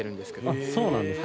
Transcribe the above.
あっそうなんですね。